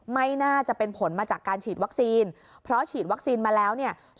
ไม่น่าจะเป็นผลมาจากการฉีดวัคซีนเพราะฉีดวัคซีนมาแล้วเนี่ย